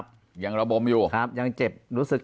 ปากกับภาคภูมิ